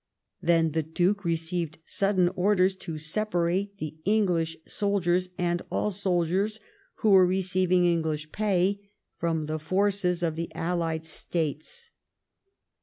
Then the Duke received sudden orders to separate the English soldiers, and all soldiers who were receiving English pay, from the forces of the allied States.